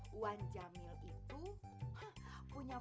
fendi bujang leher banget